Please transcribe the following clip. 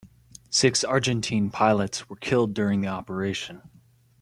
Six Argentine pilots were killed during the operation.